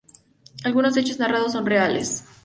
Algunos hechos narrados son reales.